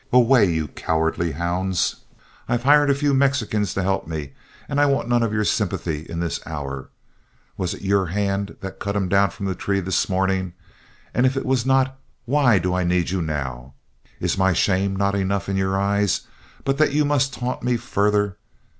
Away, you cowardly hounds! I've hired a few Mexicans to help me, and I want none of your sympathy in this hour. Was it your hand that cut him down from the tree this morning, and if it was not, why do I need you now? Is my shame not enough in your eyes but that you must taunt me further?